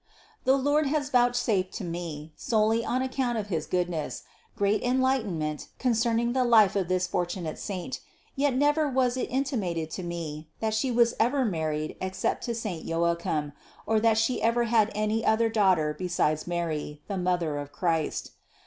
The Lord has vouchsafed to me, solely on account of his goodness, great enlightenment concerning the life of this fortunate saint; yet never was it intimated to me that she was ever married except to saint Joachim, or that she ever had any other daughter besides Mary, the Mother of Christ.